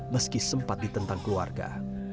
meski sempat ditentang keluarga